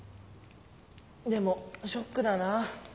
でもショックだなぁ。